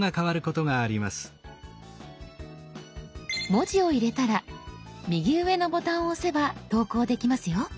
文字を入れたら右上のボタンを押せば投稿できますよ。